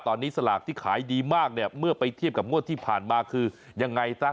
ตอนนี้สลากที่ขายดีมากเนี่ยเมื่อไปเทียบกับงวดที่ผ่านมาคือยังไงซะ